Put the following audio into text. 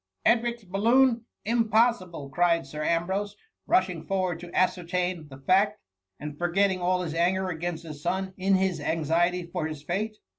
^ Edric's balloon ! Impossible !" cried Sir Am brose, rushing forward to ascertain the fact, and forgetting all his anger against his son in his anxiety for his fate.